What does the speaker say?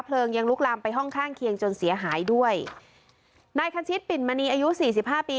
ยังลุกลามไปห้องข้างเคียงจนเสียหายด้วยนายคันชิตปิ่นมณีอายุสี่สิบห้าปี